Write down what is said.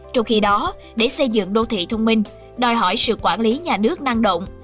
trong khi đó để xây dựng đô thị thông minh đòi hỏi sự quản lý nhà nước năng động